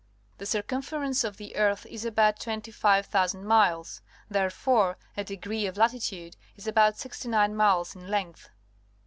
The circumference of the earth is about 25,000 miles. Therefore a degree of latitude is about sixty nine miles in length.